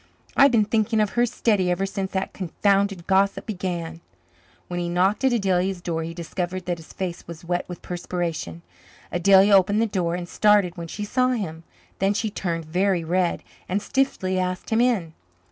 I've been thinking of her steady ever since that confounded gossip began." When he knocked at Adelia's door he discovered that his face was wet with perspiration. Adelia opened the door and started when she saw him; then she turned very red and stiffly asked him in.